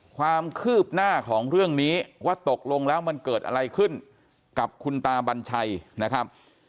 ความคืบหน้าของเรื่องนี้ว่าตกลงแล้วมันเกิดอะไรขึ้นกับคุณตาบัญชัยนะครับ